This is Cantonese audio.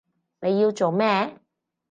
你要做咩？